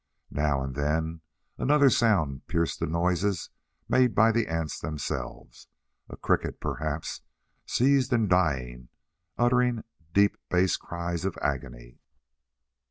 Now and then another sound pierced the noises made by the ants themselves: a cricket, perhaps, seized and dying, uttering deep bass cries of agony.